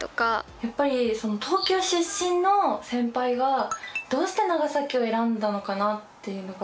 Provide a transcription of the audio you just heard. やっぱり東京出身の先輩がどうして長崎を選んだのかなっていうのが。